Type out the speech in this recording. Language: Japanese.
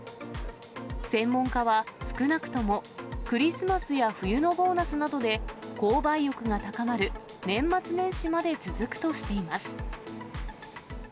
専門家は、少なくともクリスマスや冬のボーナスなどで、購買意欲が高まる年末年始まで続くとしています。